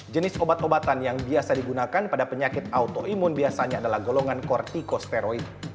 jenis obat obatan yang biasa digunakan pada penyakit autoimun biasanya adalah golongan kortikosteroid